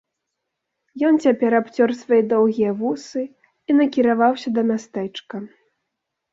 Ён цяпер абцёр свае доўгія вусы і накіраваўся да мястэчка.